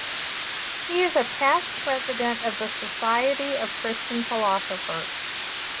He is a past president of the Society of Christian Philosophers.